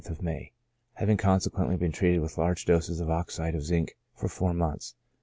19th of April to the i6th of May, having consequently been treated with large doses of oxide of zinc for four months.